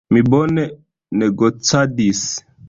Mi bone negocadis.